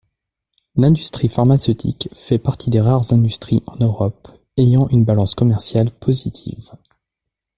L’industrie pharmaceutique fait partie des rares industries en Europe ayant une balance commerciale positive.